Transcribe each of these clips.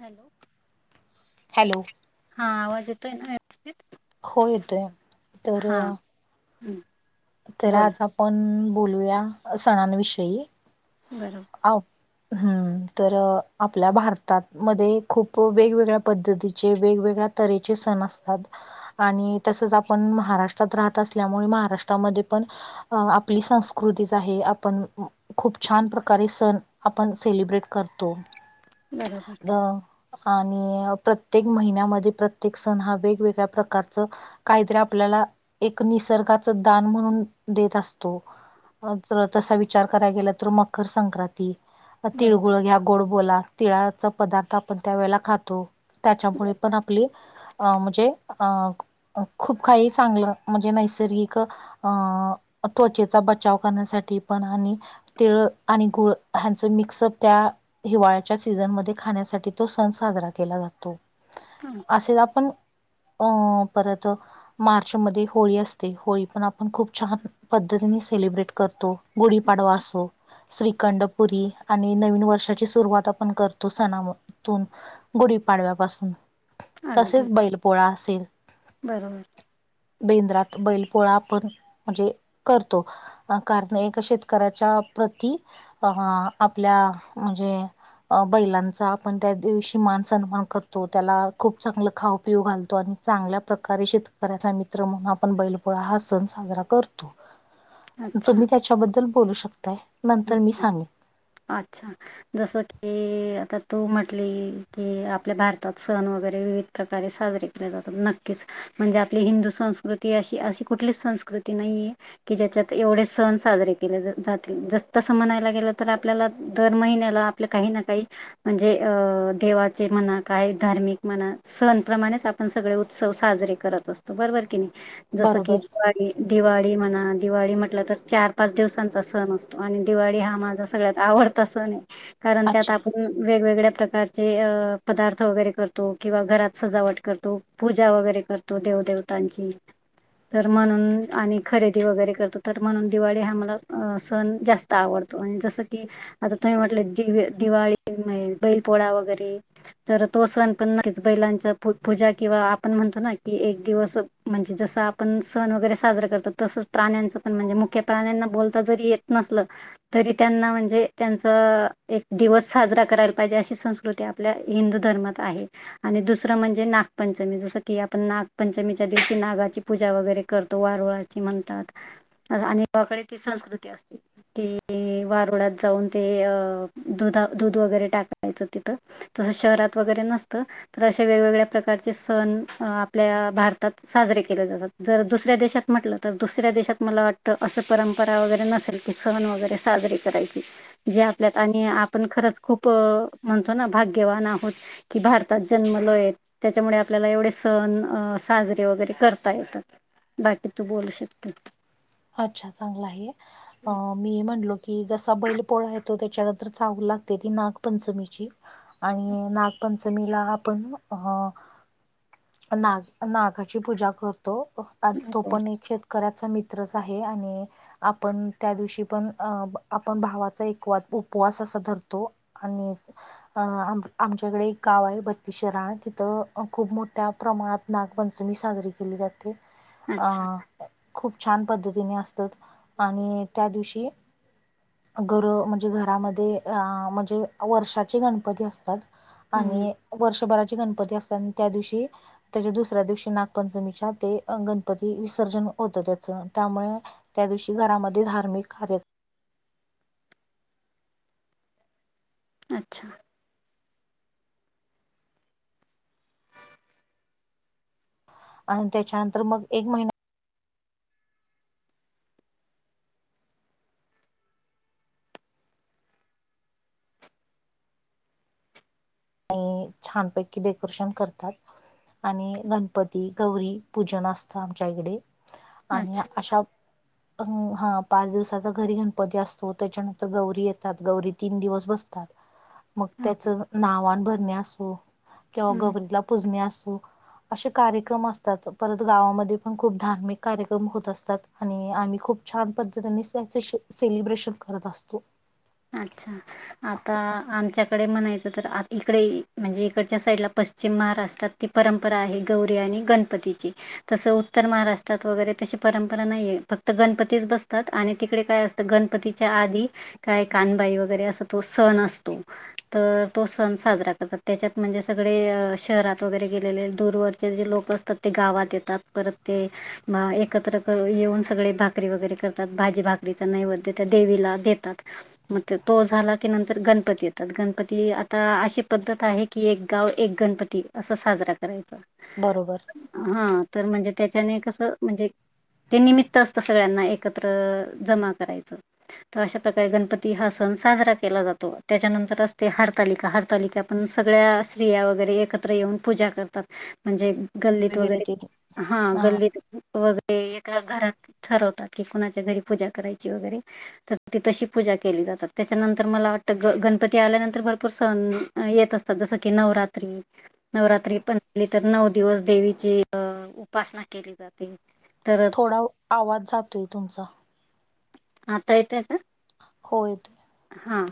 Hello. Hello. हा आवाज येतोय ना? व्यवस्थित हो येतोय. तर हम्म. तर आज आपण बोलूया, सणांनविषयी. बरम हाव. ह, तर आपल्या भारतात मध्ये खूप वेगवेगळ्या पद्धतीचे, वेगवेगळ्या तरेचे सण असतात. आणि तसच आपण महाराष्ट्रात राहत असल्यामुळे, महारा राष्ट्रा मध्ये पण आपली संस्कृतीच आहे. आपण खूप छान प्रकारे सण आपण सेलिब्रेट करतो. बरोबर अ आणि प्रत्येक महिन्यामध्ये प्रत्येक सण हा, वेगवेगळ्या प्रकारच काहीतरी आपल्याला, एक निसर्गाच दान म्हणून देत असतो. अ परत तसा विचार करायला गेला तर, मकर संक्रांती. बरोबर तिळगुळ घ्या गोड बोलास तिळाचा पदार्थ आपण त्यावेेळेला खातो त्याच्यामुळे पण आपली अ म्हणजे अ खूप काही चांगलं म्हणजे नैसर्गि क अ त्वचेचा बचाव करण्यासाठी पण आणि तिळ आणि गूळ ह्यांचं मिक्सअप त्या हिवाळ्याच्या सीझनमध्ये खाण्यासाठी तो सण साजरा केला जातो. अच्छा असेल आपण अ परत मार्चमध्ये होळी असते होळी होळी पण आपण खूप छान पद्धतीने सेलिब्रेट करतो गुढीपाडवा असो. श्रीखंडपुरी आणि नवीन वर्षाची सुरुवात आपण करतो सणा म तून गुढी पाडव्या पासून. तसेच अगदीच बैल पोळा असेल बरोबर बेंद्रात बैल पोळा आपण म्हणजे करतो कारण एक शेतकऱ्याच्या प्रती क हा आपल्या म्हणजे अ बैलांचा आपण त्या दिवशी मान सन्मान करतो त्याला खूप चांगलं खाऊ-पिऊ घालतो आणि चांगल्या प्रकारे शेतकऱ्याचा मित्र म्हणून आपण बैल पोळा हा सण साजरा करतो अच्छा तुम्ही हम् त्याच्याबद्दल बोलू शकताय नंतर मी सांगिन. अच्छा. जसं की आता तू म्हटली की आपल्या भारतात सण वगैरे विवि ध प्रकारे साजरे केले जातात नक्कीच म्हणजे आपली हिंदू संस्कृती अशी अशी कुठलीच संस्कृती नाहीये कि ज्याच्यात एवढे सण साजरे केले जात जातील जस तसं म्हणायला गेलं तर आपल्याला दर महिन्याला आपलं काही ना काही म्हणजे अ देवाचे म्हणा काय धार्मिक म्हणा सण प्रमाणेच आपण सगळे उत्सव साजरे करत असतो बरोबर की नाही जसं की बरोबर दिवा ळी दिवाळी म्हणा दिवाळी म्हटलं तर चार पाच दिवसांचा सण असतो आणि दिवाळी हा माझा सगळ्यात आवडता सण आहे कारण त्यात अच्छा आपू वेगवेगळ्या प्रकारचे अ पदार्थ वगैरे करतो किंवा घरात सजावट करतो पूजा वगैरे करतो देवदेवतांची. तर म्हणून आणि खरेदी वगैरे करतो तर म्हणून दिवाळी हा मला अ सण जास्त त आवडतो आणि जसं की आता तुम्ही म्हटले दिवये दिवाळी बैल पोळा वगैरे तर तो सण पण नक्कीच बैलांच्या पूजा किंवा आपण म्हणतो ना की एक दिवस म्हणजे जसं आपण सण वगैरे साजरा करतो तसंच प्राण्यांचं पण म्हणजे मुक्य प्राण्यांना बोलता जरी येत नसलं तरी त्यांना म्हण जे त्यांचं एक दिवस साजरा करायला पाहिजे अशी संस्कृती आपल्या हिंदू धर्मात आहे. आणि दुसरं म्हणजे नागपंचमी जसं की आपण नागपंचमीच्या दिवशी नागाची पूजा वगैरे करतो वारुळा ची म्हणतातअगं आणि [unintelligible] ती संस्कृती असते की वारुळात जाऊन ते अ दुधा दुध वगैरे टाकायचं तिथं. तसं शहरात वगैरे नसतं. तर अशे वेगवेगळ्या प्रकारचे सण आपल्या भारतात साजरे केले जातात. जर दुसऱ्या देशात म्हटलं तर दुसऱ्या देशात मला वाटतं असं परंपरा वगैरे नसेल की सण वगैरे साजरीे करायची जे आपल्यात आणि आपण खरंच खूप म्हणतो ना भाग्यवान आहोत कि भारतात जन्मलोय त्याच्यामुळे आपल्याला एवढे सण अ साजरे वगैरे करता येतात. बाकी तू बोलू शकते. अच्छा चांगल आहे. अं मी म्हणलो की जसा बैल पोळा येतो त्याच्यानंतर चाहूल लागते ती नागपंचमीची. आणि नागपंचमीला आपण अ नाग नागाची पूजा करतो. तो हो पण एक शेतकऱ्याचा मित्र तित्रच आहे आणि आपण त्या दिवशी पण अ आपण भावाचा एक उपवास असा धरतो. आणि अ आमच्याकडे एक गाव आहे बत्तीस शिराळा तिथं खूप मोठ्या प्रमाणात नागपंचमी साजरी केली जाते. अ अच्छा. खूप छान पद्धतीने असतात आणि त्या दिवशी घरं म्हणजे घरामध्ये म्हणजे वर्षाचे गणपती असतात. हं. आणि वर्षभराचे गणपती असत आणि त्या दिवशी त्याच्या दुसऱ्या दिवशी नागपंचमीच्या ते गणपती विसर्जन होत त्या त्यामुळे त्या दिवशी घरामध्ये धार्मिक कार्य अच्छा. आणि त्याच्यानंतर मग एक महिना आणि छानपैकी डेकोरेशन करतात. आणि गणपती गौरी पूजन असतं आमच्या इकडे. आणि अच्छा. अशा अ हा पाच दिवसाचा घरी गणपती असतो. त्याच्यानंतर गौरी येतात गौरी तीन दिवस बसतात. [inaudible] मग त्याच ओके. नावान भरणे असू किंवा हं. गौरीला पुजणे असू असे कार्यक्रम असतात. परत गावामध्ये पण खूप धार्मिक कार्यक्रम होत असतात. आणि आम्ही खूप छान पद्धतीने त्याचे सेलिब्रेशन करत असतो. अच्छा आता आमच्याकडे म्हणायचं तर आ इकडे म्हणजे इकडच्या साईडला प जी महाराष्ट्रात ती परंपरा आहे गौरी आणि गणपतीची. तसं उत्तर महाराष्ट्रात वगैरे तशी परंपरा नाहीये. फक्त गणपतीच बसतात आणि तिकडे काय असत गणपतीच्या आधी काय कानबाई वगैरे अस तो सण असतो. तर तो सण साजरा करतात त्याच्यात म्हणजे सगळे शहरात वगैरे गेलेले दूरवरचे जे लोक असत तर ते गावात येतात परत ते म एकत्र कर येऊन सगळे भाकरी वगैरे करतात भाजी भाकरीचा नैवद्येत देवीला देतात. मग तो झाला की नंतर गणपती येतात. गणपती आता अशी पद्धत आहे कि एक गाव एक गणपती असं साजरा करायचा. बरोबर. हा तर म्हणजे त्याच्याने कसं म्हणजे ते निमित्त असत सगळ्यांना एकत्र जमा करायचं. तर अशा कारे गणपती हा सण साजरा केला जातो. त्याच्यानंतर असते हरतालिका हरतालिका पण सगळ्या स्त्रिया वगैरे एकत्र येऊन पूजा करतात. म्हणजे गल्लीत वगैरे हा गल्लीत वगैरे एका घरात ठरवतात की कोणाच्या घरी पूजा करायची वगैरे. त तशी पूजा केली जातात. त्याच्यानंतर मला वाटतं ग गणपती आल्यानंतर भरपूर सण येत असतात जसं की नवरात्री नवरात्री पणली तर नऊ दिवस देवीची उपासना केली जाते. तर थोडा आवाज जातोय तुमचा. आता येतय का? हो येतोय. हा.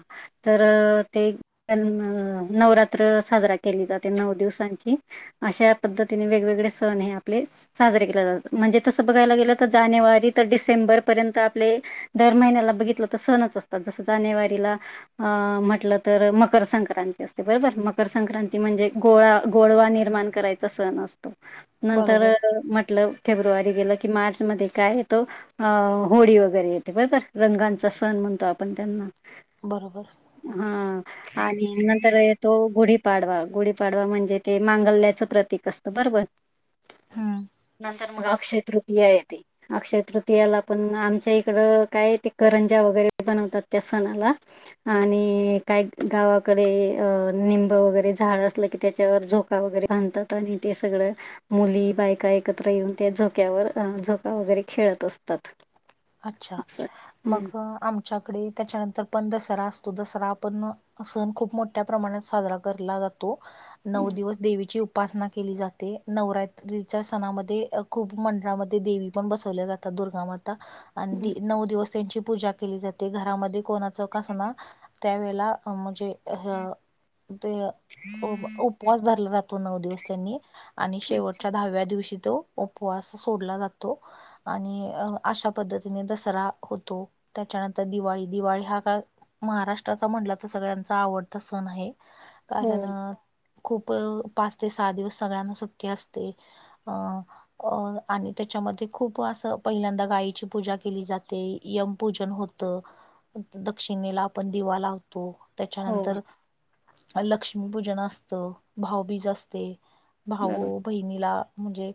तर ते नवरात्र साजरा केली जाते, नऊ दिवसांची. अशा पद्धतीने वेगवेगळे सण हे आपले. साजरे केला जातात म्हणजे तसं बघायला गेलं तर जानेवारी ते डिसेंबर पर्यंत आपले. दर महिन्याला बघितलं तर सणच असतात, जस जानेवारीला. अ म्हटलं तर, मकर संक्रांती असते बरोबर, मकर संक्रांती म्हणजे गोळा गोळवा निर्माण करायचा सण असतो, नंतर बरोबर म्हटलं. फेब्रुवारी गेल, की मार्चमध्ये काय येतो? अ होळी वगैरे येते बरोबर, रंगांचा सण म्हणतो आपण त्यांना. बरोबर. हा. आणि नंतर येतो गुढीपाडवा, गुढीपाडवा म्हणजे ते मांगल्याचं प्रतीक असतं बरोबर. हम्म नंतर मग अक्षय तृतीय येते. अक्षय तृतीयाला पण आमच्या इकडं, काय ते करंजा वगैरे बनवतात. त्या सणाला? आणि काय गावाकडे अ निंब वगैरे झाड असलं की त्याच्यावर झो झोपाळा वगैरे बांधतात, आणि ते सगळं मुली बायका एकत्र येऊन, त्या झोक्यावर झोका वगैरे खेळत असतात. अच्छा असं मग हम्म आमच्याकडे, त्याच्यानंतर पण दसरा असतो दसरा आपण. सण खूप मोठ्या प्रमाणात साजरा केला जातो नऊ दिवस देवीची. उपासना केली जाते, नवरात्रीच्या सणामध्ये खूप मंडळामध्ये देवी पण बसवल्या जात. दुर्गा माता. आणि नऊ दिवस त्यांची पूजा केली जाते, घरामध्ये कोणाच का आसना. त्यावेेळेला म्हणजे हा, ते उपवास धरला जातो. तो नऊ दिवस त्यांनी, आणि शेवटच्या दहाव्या दिवशी तो उपवास सोडला जातो, आणि अशा. पद्धतीने दसरा होतो त्याच्यानंतर दिवाळी, दिवाळी हा का. महाराष्ट्राचा म्हणला तर सगळ्यांचा आवडता सण आहे, हो कारण खूप पाच ते सहा दिवस सगळ्यांना सुट्टी असते. अ अ आणि त्याच्यामध्ये खूप असं पहिल्यांदा गायची पूजा केली जाते, यमपूजन होत. दक्षिणेला आपण दिवा लावतो. हो त्याच्यानंतर लक्ष्मीपूजन असत, भाऊबीज असते बरोबर भाओ. बहिणीला म्हणजे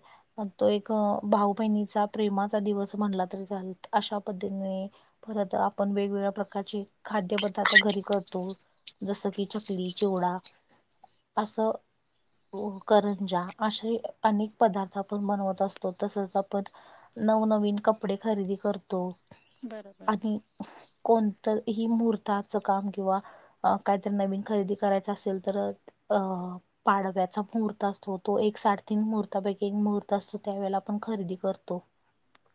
तो एक, भाऊ बहिणीचा प्रेमाचा दिवस म्हणला अशा पद्धतीने. परत आपण वेगवेगळ्या प्रकारचे खाद्य पदार्थ घरी करतो. जसं की चकली, चिवडा असं. करंजा असे अनेक पदार्थ आपण बनवत असतो तसच आपण नवनवीन कपडे खरेदी करतो. बरोबर. आणि कोणतंही मुहूर्ताचं काम किंवा अ काहीतरी नवीन खरेदी करायच असेल, तर अ पाडव्याचा मुहूर्त असतो तो एक साडेतीन मुहूर्तापैकी एक मुहूर्त असतो त्यावेेळेला आपण खरेदी करतो.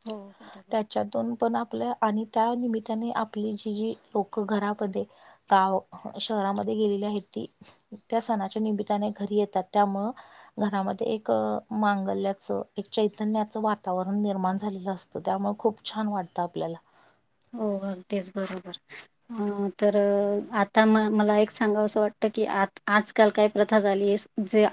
हो बरोबर त्याच्यातून पण आपल्या आणि त्या निमित्ताने आपली जी जी लोक घरामध्ये गाव शहरामध्ये गेलेली आहे ती त्या सणाच्या निमित्ताने घरी येतात त्यामुळ घरामध्ये एक मांगल्याच एक चैतन्याच वातावरण निर्माण झालेल असत तर त्यामुळेळ खूप छान वाटत आपल्याला हो तेच बरोबर अम् तर आता म मला एक सांगावस वाटत की आ आजकाल काय प्रथा झाली ये जे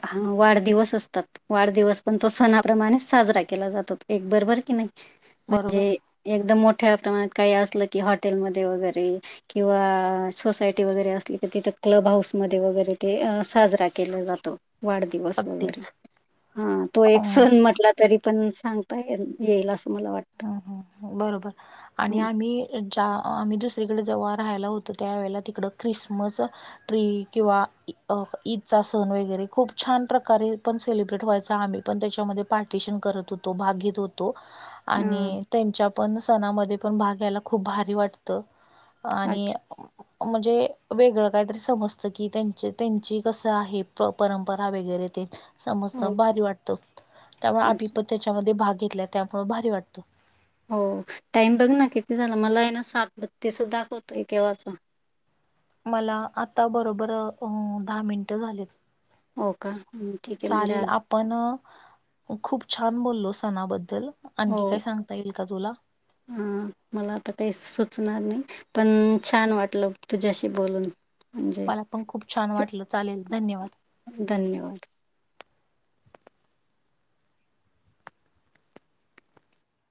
वाढदिवस असतात. वाढदिवस पण तो सणाप्रमाणे साजरा केला जातो एक बरोबर की नाही बरोबर म्हणजे एकदम मोठ्या प्रमाणात काही असल की हॉटेलमध्ये वगैरे किंवा सोसायटी वगैरे असली तर तिथ क्लब हाऊसमध्ये वगैरे ते साजरा केला जातो. वाढदिवस वगैरे अगदीच हा तो एक अ सण म्हटला तरी पण सांगतायका येईल अस मला वाटत. हम्म् हम्म् बरोबर आणि आम्ही ज्या आम्ही दुसरीकडे जेव्हा राहायला होतो त्यावेेळेला तिकड क्रिसमस ट्री किंवा अ ईदचा सण वगैरे खूप छान प्रकारे पण सेलिब्रेट व्हायचा आम्ही पण त्याच्यामध्ये पार्टिशन करत होतो भाग घेत होतो. हां. आणि त्यांच्या पण सणामध्ये पण भाग घ्यायला खूप भारी वाटत. आणि अच्छा. म्हणजे वेगळ काहीतरी समजत की त्यांचे त्यांची कस आहेत. प परंपरा वगैरे ते. समजत हो, भारी वाटत त्यामुळे अच्छा. आभिपण त्याच्यामध्ये भाग घेतला त्यामुळे भारी वाटत. त हो टाइम बघ ना किती झाला मला आहे ना सात बत्तीस दाखवतय केव्हाच. मला आता बरोबर अ दहा मिनिट झालेत. हो का ठीक आहे म्हणजे आजु पण खूप छान बोललो सणाबद्दल आणखी काय सांगता येईल का तुला. ह मला आता काही सुचणार नाही पण छान वाटल तुझ्याशी बोलून. म्हणजे मला पण खूप छान वाटल चालेल धन्यवाद. धन्यवाद.